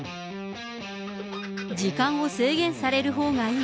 時間を制限されるほうがいい。